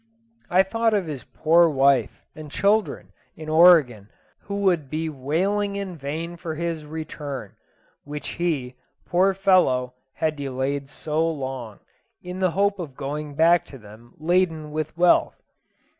I thought of his poor wife and children in Oregon, who would bewailing in vain for his return, which he, poor follow, had delayed so long, in the hope of going back to them laden with wealth.